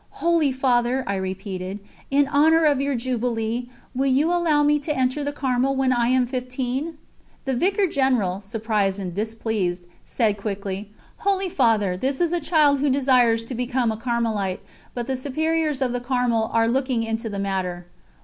"Holy Father," I repeated, "in honour of your jubilee, will you allow me to enter the Carmel when I am fifteen?" The Vicar General, surprised and displeased, said quickly: "Holy Father, this is a child who desires to become a Carmelite, but the Superiors of the Carmel are looking into the matter."